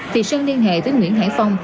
thì sơn liên hệ với nguyễn hải phong